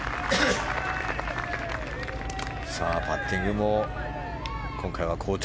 パッティングも今回は好調。